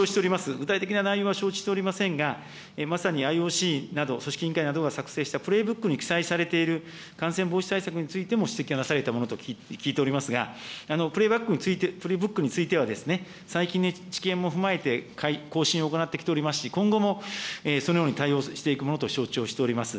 具体的な内容は承知しておりませんが、まさにＩＯＣなど、組織委員会などが作成したプレーブックに記載されている感染防止対策についても指摘がなされたものと聞いておりますが、プレーブックについては、最近の知見も踏まえて更新を行ってきておりますし、今後もそのように対応していくものと承知をしております。